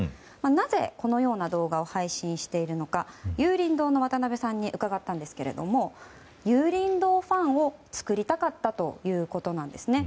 なぜこのような動画を配信しているのか有隣堂の渡邉さんに伺ったんですけれども有隣堂ファンを作りたかったということなんですね。